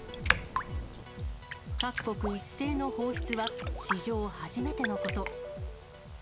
各国一斉の放出は、史上初めてのこと。